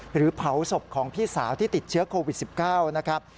หรือเผาศพของพี่สาวที่ติดเชื้อโควิด๑๙นะครับ